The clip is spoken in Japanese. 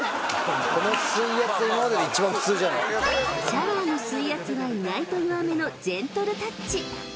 ［シャワーの水圧は意外と弱めのジェントルタッチ］